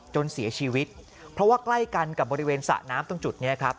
จนเสียชีวิตเพราะว่าใกล้กันกับบริเวณสระน้ำตรงจุดนี้ครับ